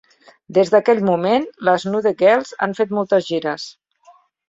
Des d'aquell moment, les Nude girls han fet moltes gires.